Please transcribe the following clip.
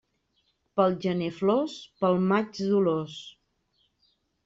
Pel gener flors, pel maig dolors.